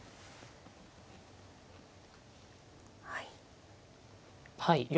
はい。